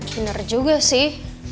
kinar juga sih